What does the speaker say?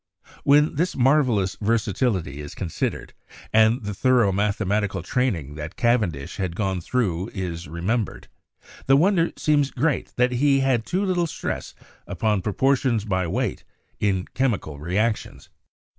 When this marvelous versatility is considered and the thoro mathematical training that Cavendish had gone through is remembered, the wonder seems great that he laid too little stress upon proportions by weight in chemi cal reactions.